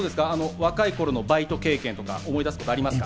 若い頃のバイト経験とか思い出すことありますか？